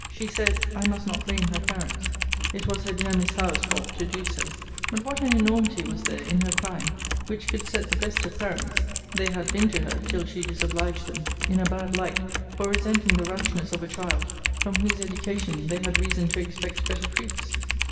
She said, I must not blame her parents: it was her dear Miss Howe's fault to do so. But what an enormity was there in her crime, which could set the best of parents (they had been to her, till she disobliged them) in a bad light, for resenting the rashness of a child from whose education they had reason to expect better fruits!